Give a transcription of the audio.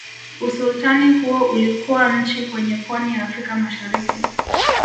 Usultani huo ulikuwa nchi kwenye pwani ya Afrika mashariki